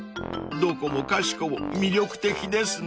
［どこもかしこも魅力的ですね］